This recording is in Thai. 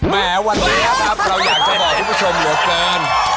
แหมวันนี้นะครับเราอยากจะบอกคุณผู้ชมเหลือเกิน